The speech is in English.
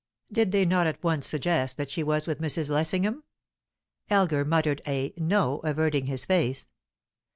"Did they not at once suggest that she was with Mrs. Lessingham?" Elgar muttered a "No," averting his face.